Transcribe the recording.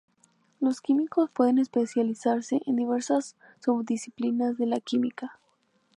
Los químicos pueden especializarse en diversas subdisciplinas de la química.